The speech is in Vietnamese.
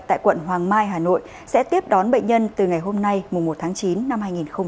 tại quận hoàng mai hà nội sẽ tiếp đón bệnh nhân từ ngày hôm nay mùa một tháng chín năm hai nghìn hai mươi